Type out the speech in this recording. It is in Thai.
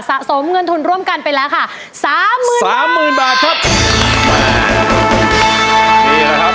สะสมเงินทุนร่วมกันไปแล้วค่ะสามหมื่นสามหมื่นบาทครับ